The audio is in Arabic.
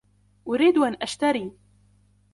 أريد أن أشتري.